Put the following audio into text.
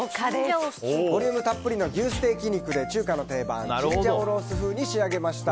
ボリュームたっぷりの牛ステーキ肉で中華の定番チンジャオロース風に仕上げました。